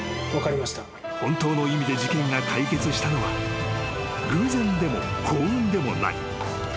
［本当の意味で事件が解決したのは偶然でも幸運でもない］